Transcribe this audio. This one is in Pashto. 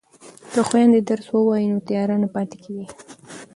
که خویندې درس ووایي نو تیاره نه پاتې کیږي.